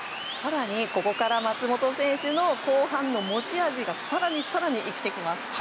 ここから松元選手の後半の持ち味が更に更に生きてきます。